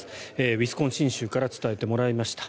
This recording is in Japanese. ウィスコンシン州から伝えてもらいました。